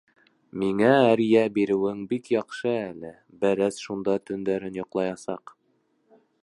— Миңә әрйә биреүең бик яҡшы әле, бәрәс шунда төндәрен йоҡлаясаҡ.